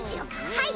はい！